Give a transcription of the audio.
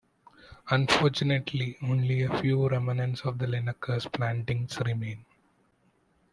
Unfortunately, only a few remnants of the Linaker's plantings remain.